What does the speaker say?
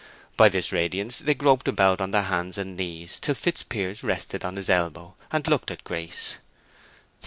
By this radiance they groped about on their hands and knees, till Fitzpiers rested on his elbow, and looked at Grace.